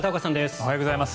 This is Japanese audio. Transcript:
おはようございます。